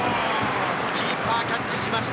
キーパー、キャッチしました。